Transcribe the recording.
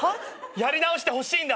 やり直してほしいんだ！